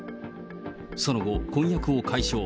その後、婚約を解消。